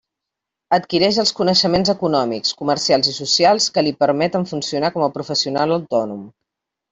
Adquireix els coneixements econòmics, comercials i socials que li permeten funcionar com a professional autònom.